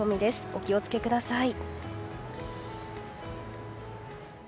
お気を付けください。